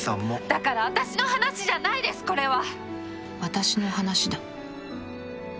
だから私の話じゃないですこれは。